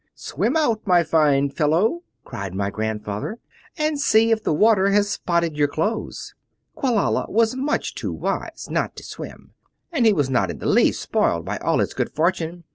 "'Swim out, my fine fellow,' cried my grandfather, 'and see if the water has spotted your clothes.' Quelala was much too wise not to swim, and he was not in the least spoiled by all his good fortune.